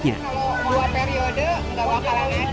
kalau dua periode gak bakalan ada